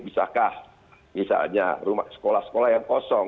bisakah misalnya rumah sekolah sekolah yang kosong